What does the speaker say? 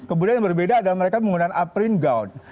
kemudian yang berbeda adalah mereka menggunakan aprint gown